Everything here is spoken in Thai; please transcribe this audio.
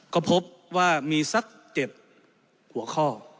ก็พบว่ามีสัก๗หัวข้อ